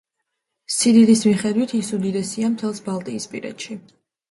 სიდიდის მიხედვით ის უდიდესია მთელს ბალტიისპირეთში.